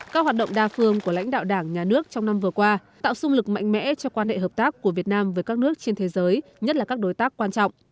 các hoạt động đa phương của lãnh đạo đảng nhà nước trong năm vừa qua tạo xung lực mạnh mẽ cho quan hệ hợp tác của việt nam với các nước trên thế giới nhất là các đối tác quan trọng